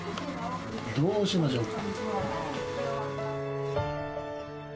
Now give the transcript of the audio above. どうしましょうか。